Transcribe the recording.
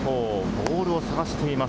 ボールを探しています